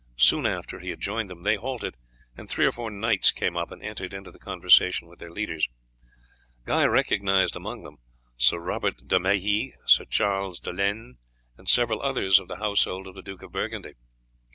Soon after he had joined them they halted, and three or four knights came up and entered into conversation with their leaders. Guy recognized among them Sir Robert de Mailly, Sir Charles de Lens, and several others of the household of the Duke of Burgundy.